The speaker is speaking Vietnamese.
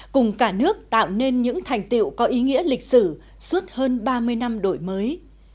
cùng cả nước tạo nên những thành tiệu có ý nghĩa lịch sử suốt hơn ba mươi năm đổi mới